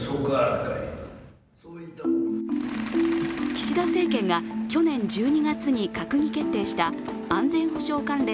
岸田政権が去年１２月に閣議決定した安全保障関連